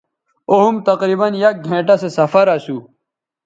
او ھُم تقریباً یک گھنٹہ سو سفراسو